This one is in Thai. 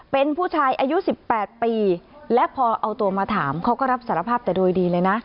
เป็นผู้ชายอายุ๑๘ปีและพอเอาตัวมาถามเขาก็รับสารภาพแต่โดยดีเลยนะ